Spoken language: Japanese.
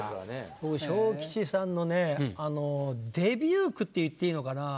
僕昇吉さんのねデビュー句って言っていいのかな。